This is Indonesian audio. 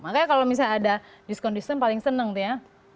makanya kalau misalnya ada diskondisi paling seneng tuh ya